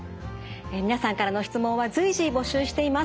皆さんからの質問は随時募集しています。